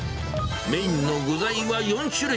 メインの具材は４種類。